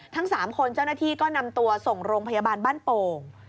ทั้ง๓คนเจ้าหน้าที่ก็นำตัวส่งโรงพยาบาลบ้านโป่ง